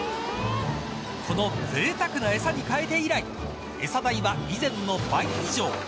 このぜいたくな餌に変えて以来餌代は以前の倍以上。